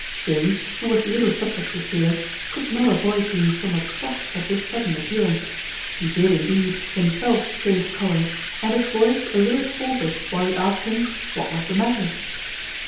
Jones, who was little subject to fear, could not avoid being somewhat shocked at this sudden appearance. He did, indeed, himself change colour, and his voice a little faultered while he asked him, What was the matter?